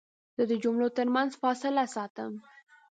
زه د جملو ترمنځ فاصله ساتم.